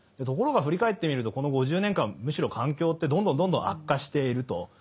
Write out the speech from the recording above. ところが振り返ってみるとこの５０年間むしろ環境ってどんどんどんどん悪化していると。